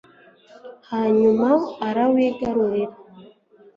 hanyuma arawigarurira